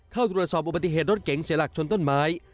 เข้าตรวจสอบอุบัติเหตุรถเก๋งเสียหลักชนต้นไม้